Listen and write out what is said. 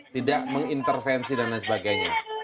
tidak mengintervensi dan lain sebagainya